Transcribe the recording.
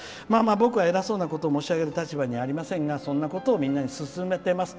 僕はえらそうなことを申し上げる立場にありませんがそんなことを、みんなにすすめてます。